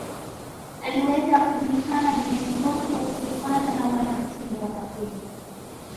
aliweza kujulikana duniani kote kutokana na uanamitindo wake